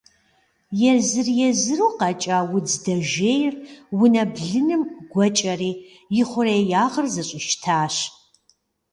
Езыр-езыру къэкӏа удз дэжейр унэ блыным гуэкӏэри и хъуреягъыр зэщӏищтащ.